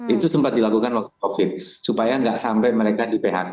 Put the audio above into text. itu sempat dilakukan waktu covid supaya nggak sampai mereka di phk